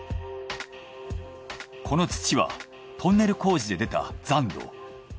この土はトンネル工事で出た残土。